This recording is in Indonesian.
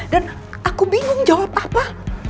dan aku bingung jawab apa